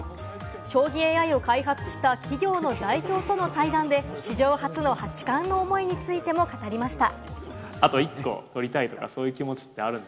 将棋ＡＩを開発した企業の代表との対談で史上初の八冠の思いについても語りました。